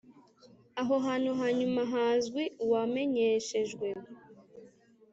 aho ahantu ha nyuma hazwi uwamenyeshejwe